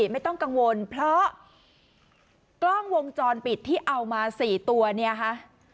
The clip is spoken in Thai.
ไม่ต้องกังวลเพราะกล้องวงจรปิดที่เอามา๔ตัวเนี่ยฮะ